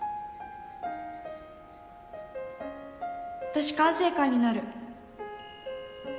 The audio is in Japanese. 私管制官になる。